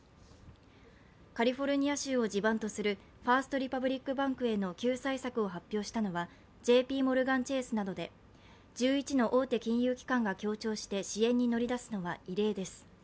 カリフォルニア州を地盤とするファースト・リパブリック・バンクへの救済策を発表したのは、ＪＰモルガン・チェースなどで、１１の大手金融機関が協調して支援に乗り出すのは異例です。